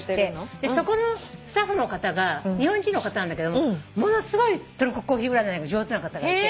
そこのスタッフの方が日本人の方なんだけどもものすごいトルココーヒー占いが上手な方がいて。